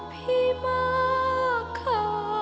พี่มากค่ะ